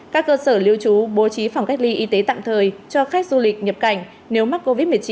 các cơ sở lưu trú bố trí phòng cách ly y tế tạm thời cho khách du lịch nhập cảnh nếu mắc covid một mươi chín